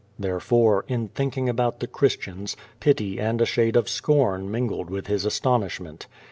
Therefore, in thinking about the Christians, pity and a shade of scorn mingled with his astonishment.